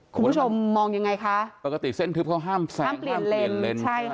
คุณผู้ชมมองยังไงคะปกติเส้นทึบเขาห้ามแซงห้ามเปลี่ยนเลนใช่ค่ะ